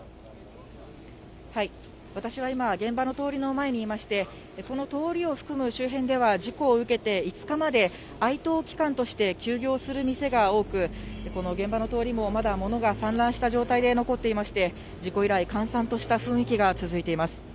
私は今、現場の通りの前にいまして、この通りを含む周辺では事故を受けて、５日まで、哀悼期間として休業する店が多く、この現場の通りもまだものが散乱した状態で残っていまして、事故以来、閑散とした雰囲気が続いています。